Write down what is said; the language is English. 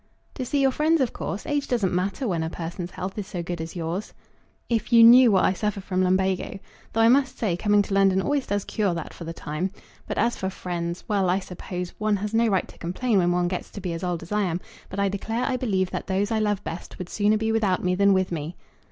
"To see your friends, of course. Age doesn't matter when a person's health is so good as yours." "If you knew what I suffer from lumbago, though I must say coming to London always does cure that for the time. But as for friends ! Well, I suppose one has no right to complain when one gets to be as old as I am; but I declare I believe that those I love best would sooner be without me than with me."